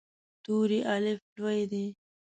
توری “الف” لوی دی.